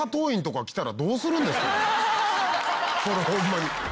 これホンマに。